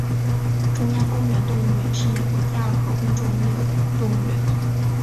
中央公园动物园是美国第二个公众拥有的动物园。